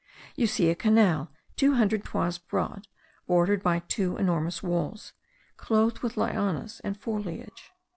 You see a canal two hundred toises broad, bordered by two enormous walls, clothed with lianas and foliage.